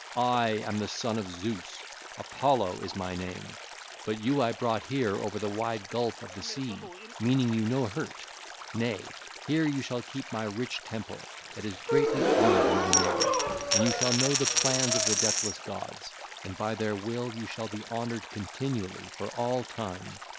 I am the son of Zeus; Apollo is my name: but you I brought here over the wide gulf of the sea, meaning you no hurt; nay, here you shall keep my rich temple that is greatly honoured among men, and you shall know the plans of the deathless gods, and by their will you shall be honoured continually for all time.